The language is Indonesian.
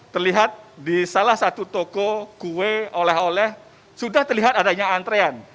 terlihat di salah satu toko kue oleh oleh sudah terlihat adanya antrean